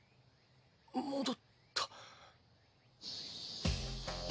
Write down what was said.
戻った。